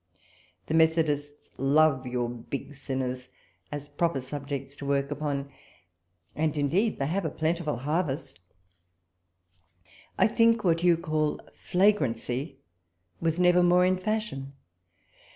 The Methodists love your big sinners, as proper subjects to work upon — and indeed they have a plentiful harvest — I think what you call flagrancy was never more in fashion.